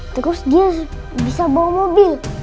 terus dia bisa bawa mobil